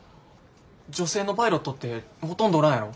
女性のパイロットってほとんどおらんやろ。